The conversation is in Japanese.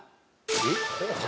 えっ？